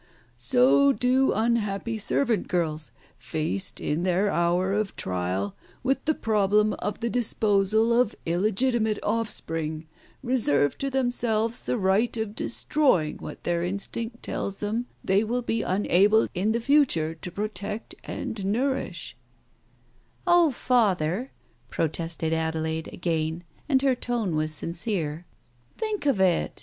So do unhappy servant girls, faced, in their hour of trial, with the problem of the disposal of illegitimate offspring, reserve to themselves the right of destroying what their instinct tells them they will be unable in the future to protect and nourish " "Oh, Father," protested Adelaide again and her tone Digitized by Google 2 4 o TALES OF THE UNEASY was sincere. "Think of it!